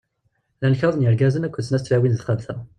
Llan kraḍ n yirgazen akked d snat n tlawin deg texxamt-a.